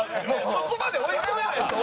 そこまで追い込まないです